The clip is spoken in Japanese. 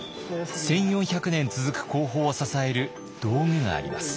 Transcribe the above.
１，４００年続く工法を支える道具があります。